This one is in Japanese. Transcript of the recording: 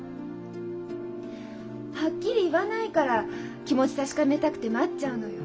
はっきり言わないから気持ち確かめたくて待っちゃうのよ。